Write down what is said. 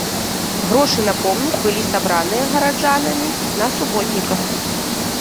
Грошы на помнік былі сабраныя гараджанамі на суботніках.